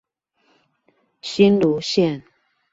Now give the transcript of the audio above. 新蘆線